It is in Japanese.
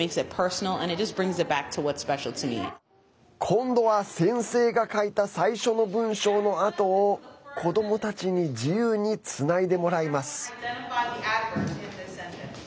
今度は先生が書いた最初の文章のあとを子どもたちに自由につないでもらいます。